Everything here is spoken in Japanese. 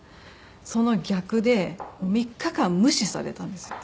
その逆で３日間無視されたんですよ